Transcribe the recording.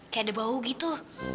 kayak ada bau gitu